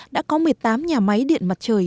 đã có một mươi tám nhà máy điện mặt trời